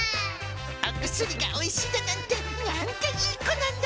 お薬がおいしいだなんて、なんていい子なんだ。